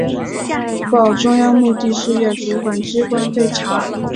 报中央目的事业主管机关备查